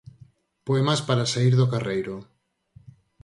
'Poemas para saír do carreiro'.